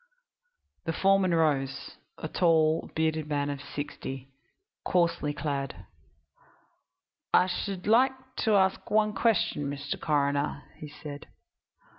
The foreman rose a tall, bearded man of sixty, coarsely clad. "I should like to ask one question, Mr. Coroner," he said.